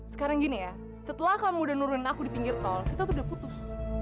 sekarang gini ya setelah kamu udah nurun aku di pinggir tol kita tuh udah putus